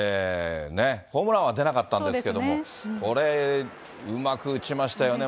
ホームランは出なかったんですけど、これ、うまく打ちましたよね。